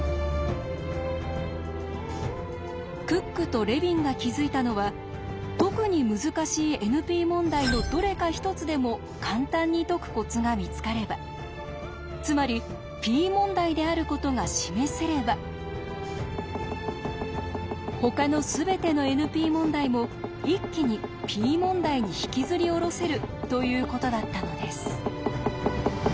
クックとレビンが気付いたのは特に難しいＮＰ問題のつまりＰ問題であることが示せればほかのすべてのＮＰ問題も一気にＰ問題に引きずり下ろせるということだったのです。